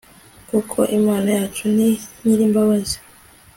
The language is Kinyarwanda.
koko imana yacu ni nyir'imbabazi